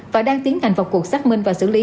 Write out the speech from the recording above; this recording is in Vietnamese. và đang tiến hành vào cuộc xác minh và xử lý